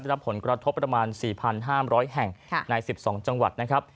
ได้รับผลกระทบประมาณสี่พันห้ามร้อยแห่งค่ะในสิบสองจังหวัดนะครับ